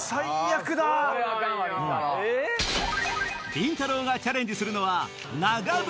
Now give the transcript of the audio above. りんたろー。がチャレンジするのは